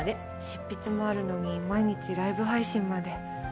執筆もあるのに毎日ライブ配信まで。